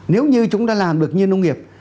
nếu như chúng ta làm được như nông nghiệp